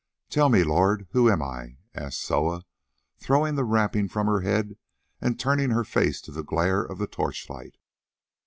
"Tell me, lord, who am I?" asked Soa, throwing the wrapping from her head and turning her face to the glare of the torchlight.